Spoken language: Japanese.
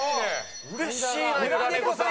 うれしいなゆら猫さん。